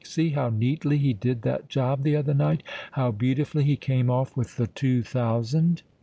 See how neatly he did that job the other night—how beautifully he came off with the two thousand!"